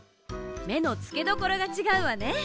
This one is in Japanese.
めのつけどころがちがうわね！